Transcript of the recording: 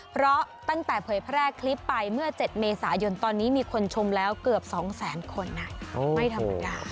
เพราะตั้งแต่เผยแพร่คลิปไปเมื่อ๗เมษายนตอนนี้มีคนชมแล้วเกือบ๒แสนคนไม่ธรรมดา